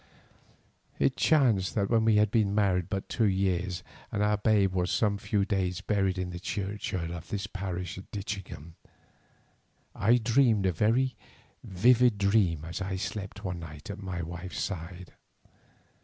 It chanced that when we had been married but two years, and our babe was some few days buried in the churchyard of this parish of Ditchingham, I dreamed a very vivid dream as I slept one night at my wife's side.